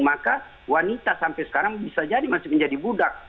maka wanita sampai sekarang masih menjadi budak